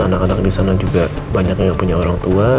anak anak di sana juga banyak yang punya orang tua